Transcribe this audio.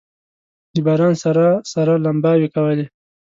د باران سره سره لمباوې کولې.